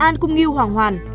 an cung nghiêu hoàng hoàn